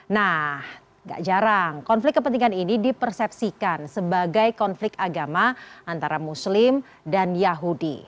nah gak jarang konflik kepentingan ini dipersepsikan sebagai konflik agama antara muslim dan yahudi